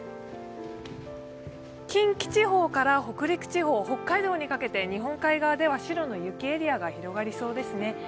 近畿地方から北陸地方、北海道にかけて日本海側では白の雪エリアが広がりそうですね。